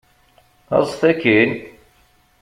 Aẓet akkin!